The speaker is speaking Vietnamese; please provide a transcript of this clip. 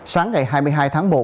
sáng ngày hai mươi hai tháng một